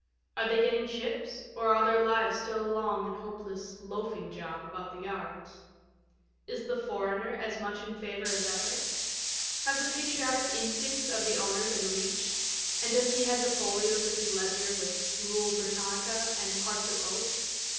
Are they getting ships, or are their lives still a long and hopeless *' loafing job " about the yards ? Is the foreigner as much in favour as ever ? Have the patriotic instincts of the owner been reached, and does he head the folios of his ledger with '^ Bule, Britannia " and " Hearts of Oak ?